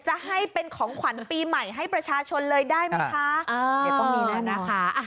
จะให้เป็นของขวัญปีใหม่ให้ประชาชนเลยได้ไหมคะเดี๋ยวต้องมีแน่นะคะ